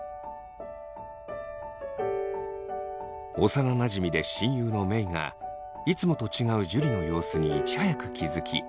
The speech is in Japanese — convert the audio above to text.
幼なじみで親友のメイがいつもと違う樹の様子にいち早く気付き連絡をくれた。